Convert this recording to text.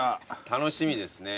楽しみですね。